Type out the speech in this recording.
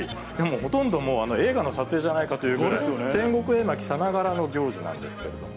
ほとんど映画の撮影じゃないかというぐらい、戦国映画さながらの行事なんですけれども。